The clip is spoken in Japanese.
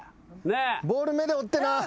ボール目で追ってな。